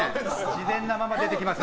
自然なまま出てきます。